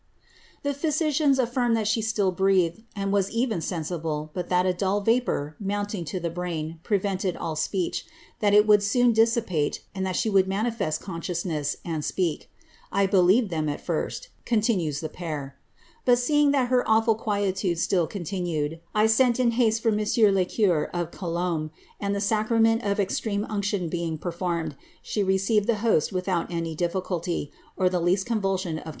*^ The physicians aflirmed tliat she still breathed, and was even sen ible^ but that a dull vapour, mounting to the brain, prevented all speech, Ikat it would soon dissipate, and that she would manifest consciousness, lad speak. I believed them at first," continues the Pere ;^^ but seeing that her awful quietude still continued, I sent in haste for monsieur le Cure of Colombe, and the sacrament of extreme unction being performed, •he received the host without any dilficulty, or the least convulsion of « III her memoir, appended to Boasuct's funeral ^^erinon, it is asserted, that tlie <itj.>.